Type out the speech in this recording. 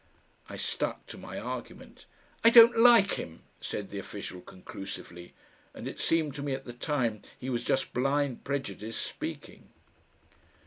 I stuck to my argument. "I don't LIKE him," said the official conclusively, and it seemed to me at the time he was just blind prejudice speaking....